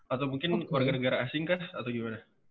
atau mungkin warga negara asing kah atau gimana